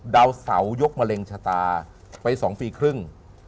ดาวเหร้ายกเมริงชะตาไป๒ปีครึ่ง